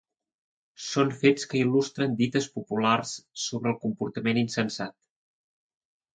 Són fets que il·lustren dites populars sobre el comportament insensat.